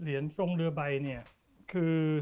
เหรียญทรงเรือใบเนี่ยคือ